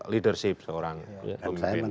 leadership seorang pemimpin